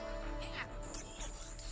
ibu diliat sendiri